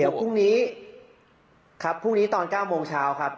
เดี๋ยวพรุ่งนี้ครับพรุ่งนี้ตอน๙โมงเช้าครับ